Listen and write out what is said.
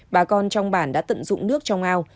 bà con trong bản đã tận dụng nước trong ao